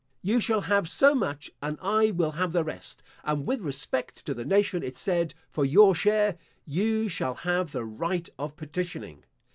You shall have so much, and I will have the rest; and with respect to the nation, it said, for your share, You shall have the right of petitioning.